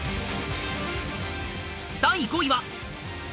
第５位は。